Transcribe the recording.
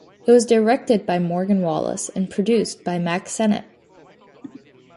It was directed by Morgan Wallace and produced by Mack Sennett.